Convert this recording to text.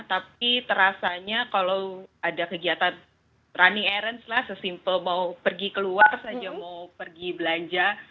tapi terasanya kalau ada kegiatan runni arence lah sesimpel mau pergi keluar saja mau pergi belanja